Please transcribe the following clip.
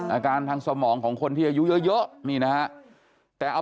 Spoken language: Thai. อาการทางสมองของคนที่อายุเยอะนี่นะฮะแต่เอา